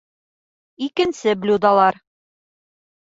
Икенсе блюдолар